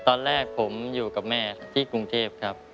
ตอนแรกผมอยู่กับแม่ที่กรุงเทพครับ